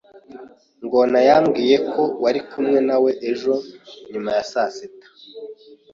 Ngona yambwiye ko wari kumwe nawe ejo nyuma ya saa sita.